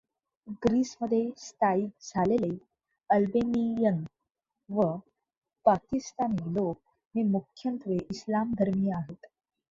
Greece मध्ये स्थायिक झालेले अल्बेनियन व पाकिस्तानी लोक हे मुख्यत्वे इस्लाम धर्मिय आहेत.